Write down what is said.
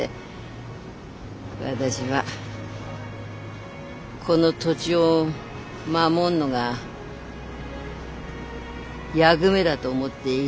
私はこの土地を守んのが役目だと思って生ぎできたのよ。